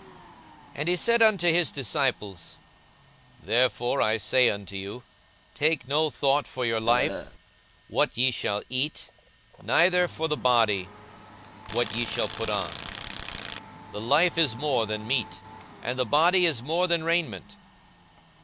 42:012:022 And he said unto his disciples, Therefore I say unto you, Take no thought for your life, what ye shall eat; neither for the body, what ye shall put on. 42:012:023 The life is more than meat, and the body is more than raiment.